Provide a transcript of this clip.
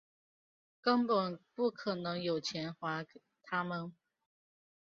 根本不可能有钱还他们